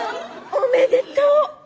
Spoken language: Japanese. おめでとう。